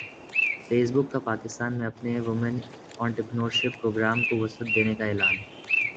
face بک کا پاکستان میں اپنے وومن انٹرپرینیورشپ پروگرام کو وسعت دینے کا اعلان